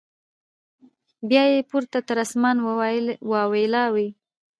بیا یې پورته تر اسمانه واویلا وي